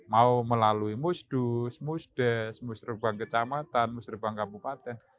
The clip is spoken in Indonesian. mau melalui musdus musdes musrebang kecamatan musrebang kabupaten